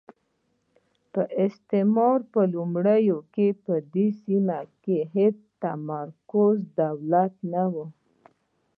د استعمار په لومړیو کې په دې سیمه کې هېڅ متمرکز دولت نه وو.